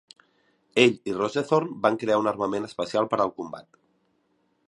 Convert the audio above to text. Ell i Rosethorn van crear un armament especial per al combat.